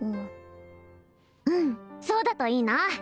うんそうだといいな